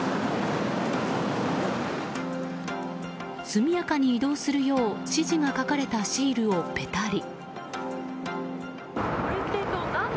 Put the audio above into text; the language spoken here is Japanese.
速やかに移動するよう指示が書かれたシールをぺたり。